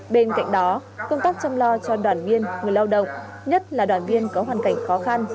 bên cạnh đó công tác chăm lo cho đoàn viên người lao động nhất là đoàn viên có hoàn cảnh khó khăn